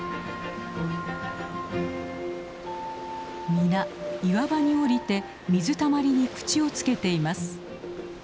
皆岩場に降りて水たまりに口をつけています。